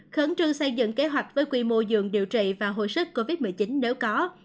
khẩn trương xây dựng kế hoạch với quy mô dường điều trị và hồi sức covid một mươi chín nếu có